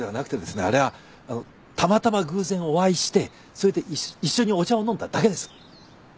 あれはあのたまたま偶然お会いしてそれで一緒にお茶を飲んだだけです。